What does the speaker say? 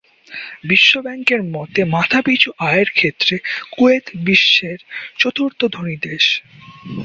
বিশ্বব্যাংকের মতে মাথাপিছু আয়ের ক্ষেত্রে কুয়েত বিশ্বের চতুর্থ ধনী দেশ।